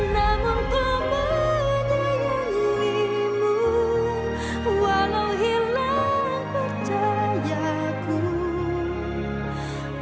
namun ku menyayangi mu